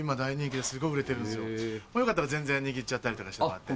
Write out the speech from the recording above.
よかったら全然握っちゃったりとかしてもらって。